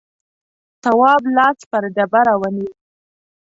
تواب لاس پر ډبره ونيو.